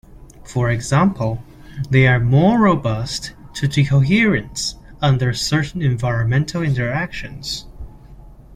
For example, they are more robust to decoherence under certain environmental interactions.